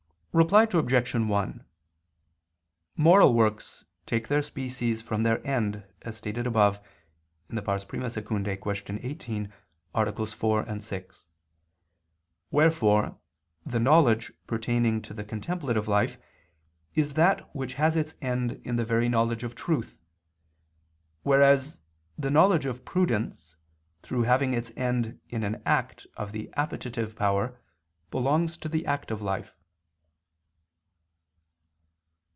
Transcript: Reply Obj. 1: Moral works take their species from their end, as stated above (I II, Q. 18, AA. 4, 6), wherefore the knowledge pertaining to the contemplative life is that which has its end in the very knowledge of truth; whereas the knowledge of prudence, through having its end in an act of the appetitive power, belongs to the active life.